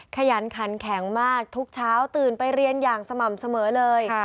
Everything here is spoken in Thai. ขยันขันแข็งมากทุกเช้าตื่นไปเรียนอย่างสม่ำเสมอเลย